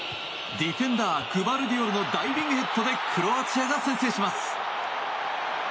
ディフェンダーグバルディオルのダイビングヘッドでクロアチアが先制します。